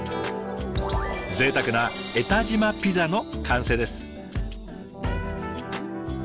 贅沢な江田島ピザの完成です。